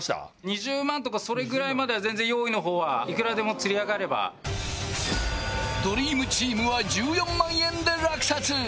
２０万とかそれぐらいまでは全然用意のほうはいくらでもつり上がればドリームチームは１４万円で落札！